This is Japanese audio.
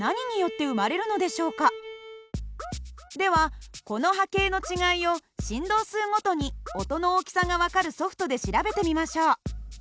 ではこの波形の違いを振動数ごとに音の大きさが分かるソフトで調べてみましょう。